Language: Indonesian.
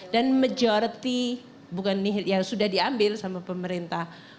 dan majority bukan nih ya sudah diambil sama pemerintah